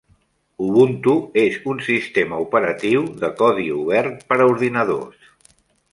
Ubuntu és un sistema operatiu de codi obert per a ordinadors.